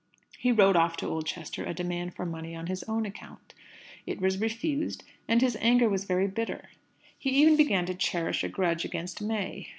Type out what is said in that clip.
He wrote off to Oldchester a demand for money on his own account. It was refused; and his anger was very bitter. He even began to cherish a grudge against May.